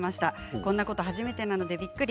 こんなこと初めてなのでびっくり。